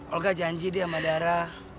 olga janji deh sama dara